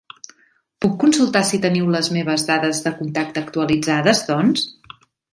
Puc consultar si teniu les meves dades de contacte actualitzades, doncs?